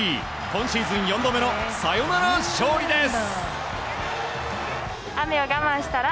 今シーズン４度目のサヨナラ勝利です。